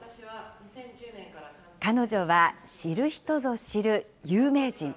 彼女は知る人ぞ知る有名人。